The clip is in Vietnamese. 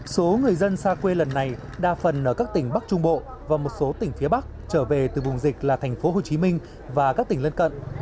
số người dân xa quê lần này đa phần ở các tỉnh bắc trung bộ và một số tỉnh phía bắc trở về từ vùng dịch là thành phố hồ chí minh và các tỉnh lân cận